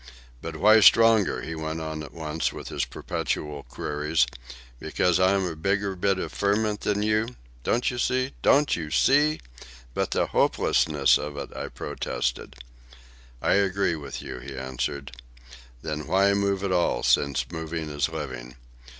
"But why stronger?" he went on at once with his perpetual queries. "Because I am a bigger bit of the ferment than you? Don't you see? Don't you see?" "But the hopelessness of it," I protested. "I agree with you," he answered. "Then why move at all, since moving is living?